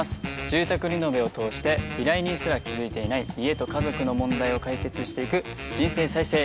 住宅リノベを通して依頼人すら気付いていない家と家族の問題を解決していく人生再生